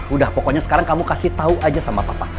udah pokoknya sekarang kamu kasih tau aja sama papa